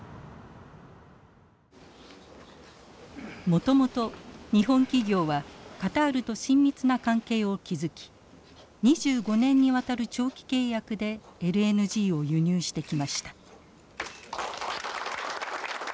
もともと日本企業はカタールと親密な関係を築き２５年にわたる長期契約でＬＮＧを輸入してきました。